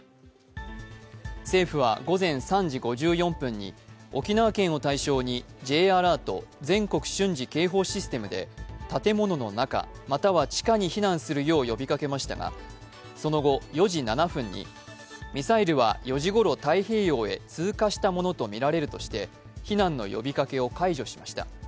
政府は午前３時５４分に沖縄県を対象にＪアラート＝全国瞬時警報システムで建物の中、または地下に避難するよう呼びかけましたがその後４時７分にミサイルは４時ごろ太平洋へ通過したものとみられるとして、避難の呼びかけを解除しました。